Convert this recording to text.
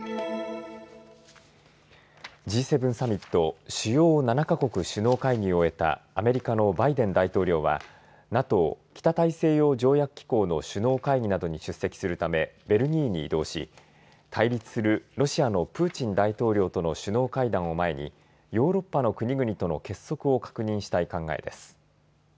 Ｇ７サミット・主要７か国首脳会議を終えたアメリカのバイデン大統領はＮＡＴＯ・北大西洋条約機構の首脳会議などに出席するためベルギーに移動し対立するロシアのプーチン大統領との首脳会談を前にヨーロッパの国々との結束を確認したい考えです。